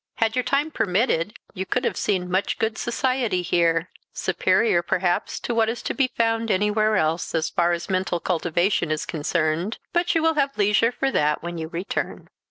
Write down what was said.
Had your time permitted, you could have seen much good society here; superior, perhaps, to what is to be found anywhere else, as far as mental cultivation is concerned. But you will have leisure for that when you return."